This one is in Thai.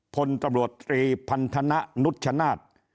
พลตำรวจตรีพันธนะนุชชนาธิ์